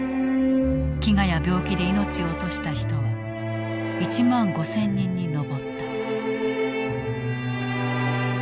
飢餓や病気で命を落とした人は１万５，０００人に上った。